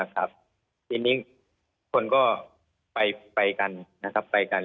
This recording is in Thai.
ทีนี้ทุกคนก็ไปกัน